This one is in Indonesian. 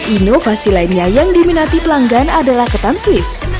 inovasi lainnya yang diminati pelanggan adalah ketan swiss